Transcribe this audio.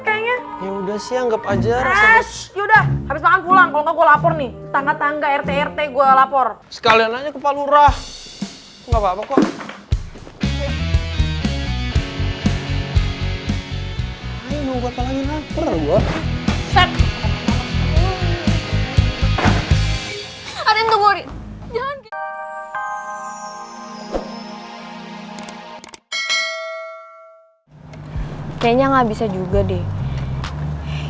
kayaknya gak bisa juga deh